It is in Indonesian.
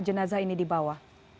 jenasa ini dibawa